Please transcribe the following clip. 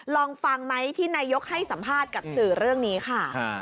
ลองฟังไหมที่นายกให้สัมภาษณ์กับสื่อเรื่องนี้ค่ะ